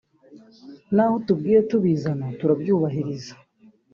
naho utubwiye tubizana turabyubahiriza